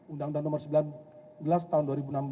undang undang nomor sembilan belas tahun dua ribu enam belas